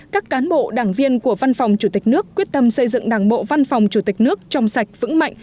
các cán bộ đảng viên của văn phòng chủ tịch nước quyết tâm xây dựng đảng bộ văn phòng chủ tịch nước trong sạch vững mạnh